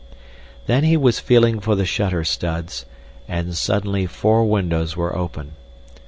Then he was feeling for the shutter studs, and suddenly four windows were open.